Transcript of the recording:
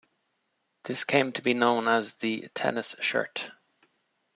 This came to be known as the tennis shirt.